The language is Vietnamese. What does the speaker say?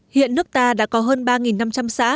hiện nước ta đã có hơn ba năm trăm linh xã